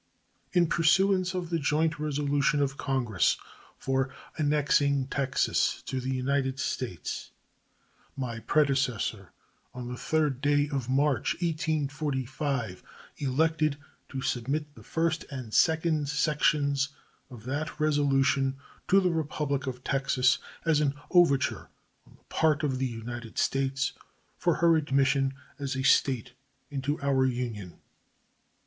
In pursuance of the joint resolution of Congress "for annexing Texas to the United States," my predecessor, on the 3d day of March, 1845, elected to submit the first and second sections of that resolution to the Republic of Texas as an overture on the part of the United States for her admission as a State into our Union.